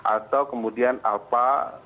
atau kemudian alfa